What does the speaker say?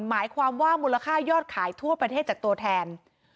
หมายความว่ามูลค่ายอดขายทั่วประเทศจากตัวแทน